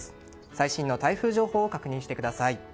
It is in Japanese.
最新の台風状況を確認してください。